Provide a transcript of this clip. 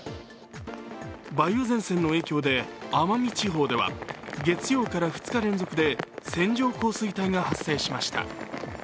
梅雨前線の影響で奄美地方では月曜から２日連続で線状降水帯が発生しました。